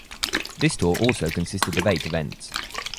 This tour also consisted of eight events.